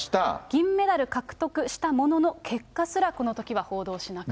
銀メダル獲得したものの、結果すらこのときは報道しなかった。